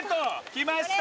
きました。